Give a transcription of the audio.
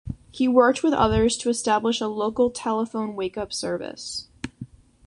He worked with others to establish a local telephone wake-up service.